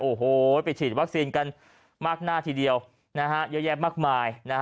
โอ้โหไปฉีดวัคซีนกันมากหน้าทีเดียวนะฮะเยอะแยะมากมายนะฮะ